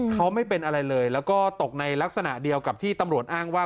เขาไม่เป็นอะไรเลยแล้วก็ตกในลักษณะเดียวกับที่ตำรวจอ้างว่า